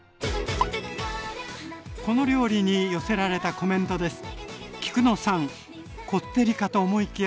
この料理に寄せられたコメントです。